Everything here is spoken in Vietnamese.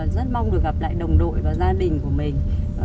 rất mong được gặp lại đồng đội và gia đình của mình